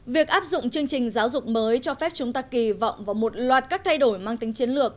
việc áp dụng chương trình giáo dục mới cho phép chúng ta kỳ vọng vào một loạt các thay đổi mang tính chiến lược